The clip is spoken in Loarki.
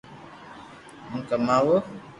ھون ڪماوُ